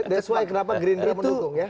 that's why kenapa greendraft mendukung ya